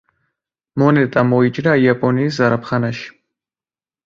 მონეტა მოიჭრა იაპონიის ზარაფხანაში.